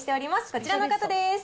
こちらの方です。